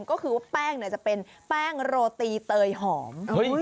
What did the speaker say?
ก็คือว่าแป้งจะเป็นแป้งโรตีเตยหอม